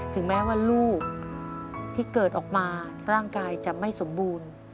ถึงแม้ว่าลูกที่เกิดออกมาร่างกายจะไม่สมบูรณ์